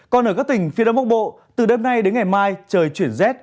còn ở các tỉnh phía đông bắc bộ từ đêm nay đến ngày mai trời chuyển rét